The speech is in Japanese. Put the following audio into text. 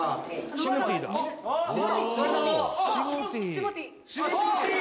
「シモティー！」